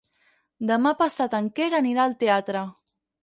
Demà passat en Quer anirà al teatre.